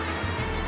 jangan makan aku